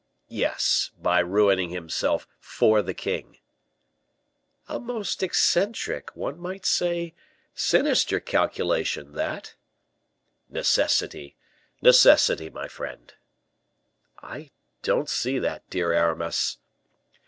"Yes, by ruining himself for the king." "A most eccentric, one might say, sinister calculation, that." "Necessity, necessity, my friend." "I don't see that, dear Aramis."